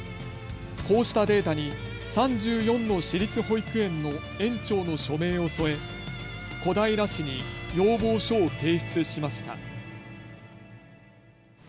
こうしたデータに３４の私立保育園の園長の署名を添え小平市に要望書を提出しました。